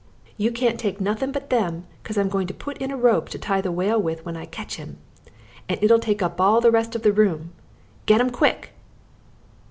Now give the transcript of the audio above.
"You can't take nothing but them 'cause I'm going to put in a rope to tie the whale with when I ketch him, and it'll take up all the rest of the room. Git 'em quick!"